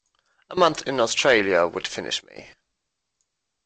A month in Australia would finish me.